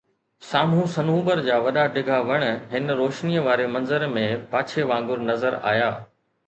سامهون صنوبر جا وڏا ڊگها وڻ هن روشنيءَ واري منظر ۾ پاڇي وانگر نظر آيا